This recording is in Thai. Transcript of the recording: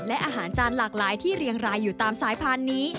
และอาหารจานหลากหลายที่เรียงรายอยู่ตามสายพันธุ์นี้